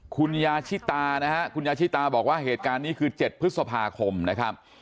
คุณยาชิตานะฮะคุณยาชิตาบอกว่าเหตุการณ์นี้คือ๗พฤษภาคมนะครับ